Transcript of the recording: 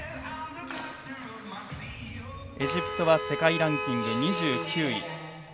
エジプトは世界ランキング２９位。